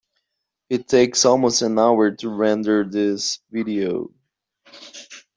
It takes almost an hour to render this video.